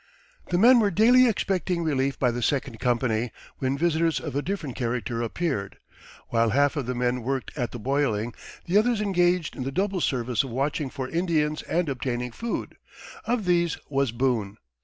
The men were daily expecting relief by the second company, when visitors of a different character appeared. While half of the men worked at the boiling, the others engaged in the double service of watching for Indians and obtaining food; of these was Boone.